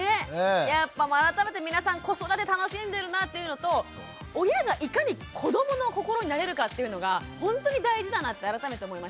やっぱ改めて皆さん子育て楽しんでるなっていうのと親がいかに子どもの心になれるかっていうのがほんとに大事だなって改めて思いました。